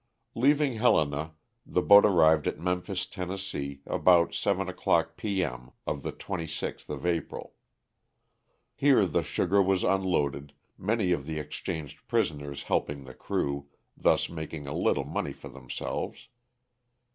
Leaving Helena the boat arrived at Memphis, Tenn., about seven o'clock, p. M.,of the 26th of April. Here the sugar was unloaded, many of the exchanged prisoners helping the crew, thus making a little money for themselves.